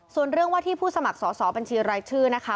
ส่วนเรื่องว่าที่ผู้สมัครสอบบัญชีรายชื่อนะคะ